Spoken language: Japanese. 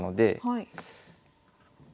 はい。